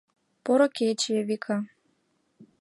— Поро кече, Эвика!